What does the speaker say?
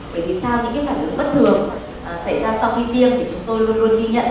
bởi vì sao những phản ứng bất thường xảy ra sau khi tiêm thì chúng tôi luôn luôn ghi nhận